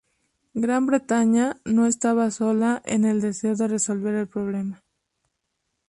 Gran Bretaña no estaba sola en el deseo de resolver el problema.